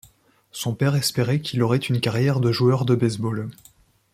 Son père espérait qu'il aurait une carrière de joueur de baseball.